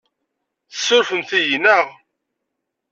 Tessurfemt-iyi, naɣ?